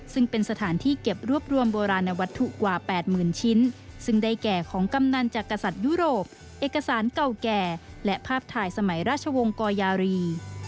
ซึ่งเป็นสถานที่เก็บรวบรวมโบราณวัตถุกว่า๘๐๐๐ชิ้นซึ่งได้แก่ของกำนันจากกษัตริยุโรปเอกสารเก่าแก่และภาพถ่ายสมัยราชวงศ์กอยารี